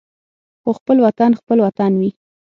خو خپل وطن خپل وطن وي.